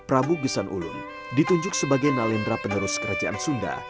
raja pujusan ulen ditunjuk sebagai nalendra penerus kerajaan sunda